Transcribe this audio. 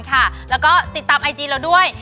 ปลอดภัย